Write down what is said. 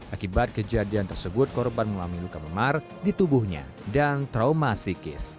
akibat kejadian tersebut korban mengalami luka memar di tubuhnya dan trauma psikis